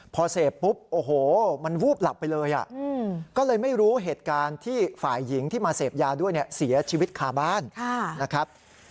พอเสพปุ๊บโอ้โหมันวูบหลับไปเลยก็เลยไม่รู้เหตุการณ์ที่ฝ่ายหญิงที่มาเสพยาด้วยเนี่ยเสียชีวิตคาบ้านนะครับ